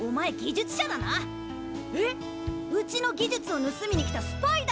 うちの技術をぬすみに来たスパイだろ！